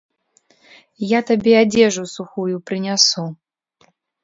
Я табе адзежу сухую прынясу.